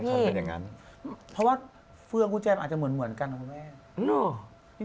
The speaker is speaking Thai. เพราะว่าเฟื่องกุ้งแจมอาจจะเหมือนกันนะครับแม่